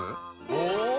お！